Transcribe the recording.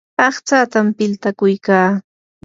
aqtsatam piltakuykaa.